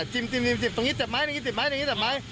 จิ้มจิ้มจิ้มจิ้มตรงนี้เจ็บไหมตรงนี้เจ็บไหม